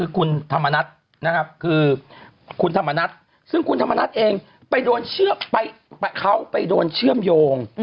คือคุณธรรมนัสซึ่งคุณธรรมนัสเองไปโดนเชื่อมโยง